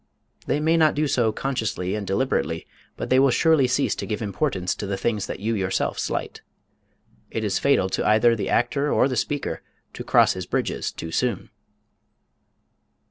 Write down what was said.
They may not do so consciously and deliberately, but they will surely cease to give importance to the things that you yourself slight. It is fatal to either the actor or the speaker to cross his bridges too soon.